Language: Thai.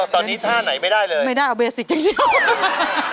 ตอนนี้ท่าไหนไม่ได้เลยไม่ได้เอาเบสิกจริง